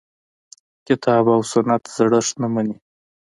کتاب او سنت زړښت نه مني.